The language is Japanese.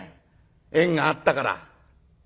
縁があったから。